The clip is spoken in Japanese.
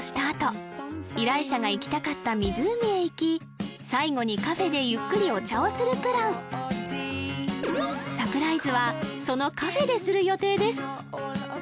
あと依頼者が行きたかった湖へ行き最後にカフェでゆっくりお茶をするプランサプライズはそのカフェでする予定です